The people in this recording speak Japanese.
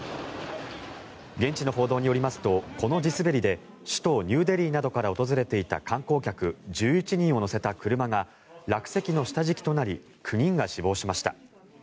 現地の報道によりますとこの地滑りで首都ニューデリーなどから訪れていた観光客１１人を乗せた車が落石の下敷きとなり９人が死亡しました。